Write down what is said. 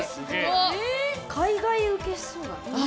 海外受けしそうだね。